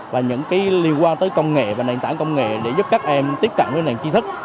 và những liên quan tới công nghệ và nền tảng công nghệ để giúp các em tiếp cận với nền trí thức